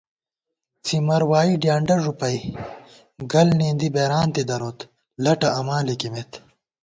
څِمر وائی ڈیانڈہ ݫُپَئی، گَل نېندِی بېرانتے دروت، لَٹہ اماں لِکِمېت